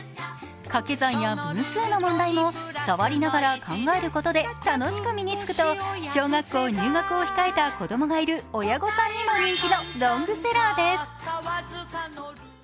かけ算や分数の問題も触りながら考えることで楽しく身につくと小学校入学を控えた子供がいる親御さんにも人気のロングセラーです。